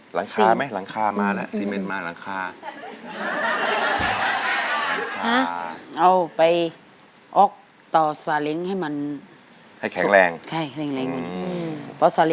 หลังคาไหมหลังคามาแล้วซีเมนมาหลังคา